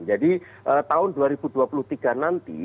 jadi tahun dua ribu dua puluh tiga nanti